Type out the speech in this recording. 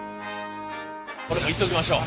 これもいっときましょう。